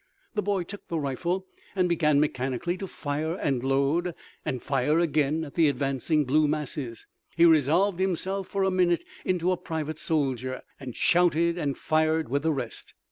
The boy took the rifle and began mechanically to fire and load and fire again at the advancing blue masses. He resolved himself for a minute into a private soldier, and shouted and fired with the rest.